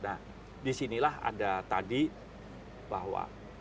nah disinilah ada tadi bahwa